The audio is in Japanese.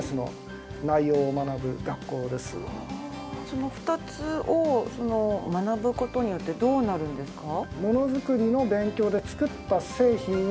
その２つを学ぶ事によってどうなるんですか？